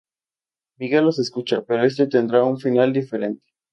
Miguel los escucha, pero este tendrá un final diferente.